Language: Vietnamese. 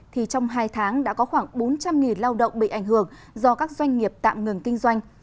thì trong hai tháng đã có khoảng bốn trăm linh lao động bị ảnh hưởng do các doanh nghiệp tạm ngừng kinh doanh